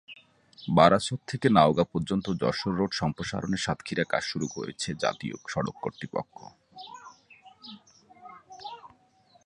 বারাসত থেকে বনগাঁ পর্যন্ত যশোর রোড সম্প্রসারণে সমীক্ষার কাজ শুরু হয়েছে জাতীয় সড়ক কর্তৃপক্ষ।